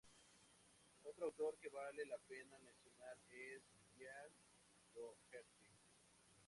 Otro autor que vale la pena mencionar es Gillian Doherty.